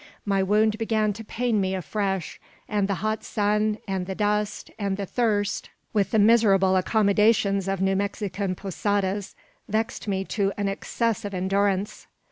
My wound began to pain me afresh, and the hot sun, and the dust, and the thirst, with the miserable accommodations of New Mexican posadas, vexed me to an excess of endurance.